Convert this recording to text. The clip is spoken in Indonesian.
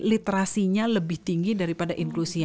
literasinya lebih tinggi daripada inklusinya